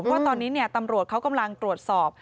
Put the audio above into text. เพราะตอนนี้เนี่ยตำรวจเขากำลังตรวจสอบ